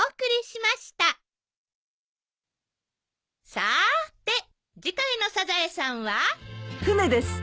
さーて次回の『サザエさん』は？フネです。